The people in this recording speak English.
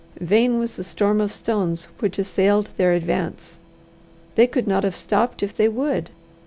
Vain was the storm of stones which assailed their advance: they could not have stopped if they would.